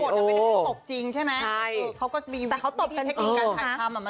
ไม่จบจริงใช่ไหมเขาก็มีวิธีเทคกิจการถ่ายทำมันหลอกได้